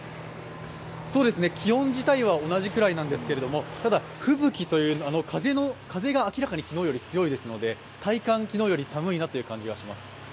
気温自体は同じくらいなんですけれども、ただ、吹雪という名の、風が明らかに昨日より強いですので体感、昨日より寒いなという感じがします。